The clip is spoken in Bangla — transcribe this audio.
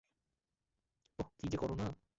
ওহ, কী যে করো না।